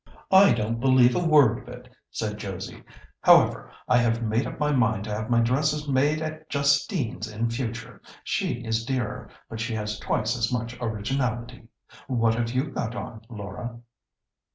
"I don't believe a word of it," said Josie. "However, I have made up my mind to have my dresses made at Justine's in future. She is dearer, but she has twice as much originality. What have you got on, Laura?"